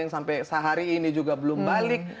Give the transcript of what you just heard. yang sampai sehari ini juga belum balik